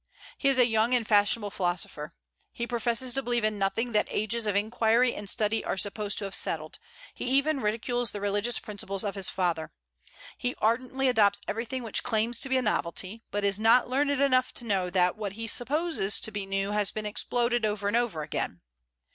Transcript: He is a young and fashionable philosopher. He professes to believe in nothing that ages of inquiry and study are supposed to have settled; he even ridicules the religious principles of his father. He ardently adopts everything which claims to be a novelty, but is not learned enough to know that what he supposes to be new has been exploded over and over again.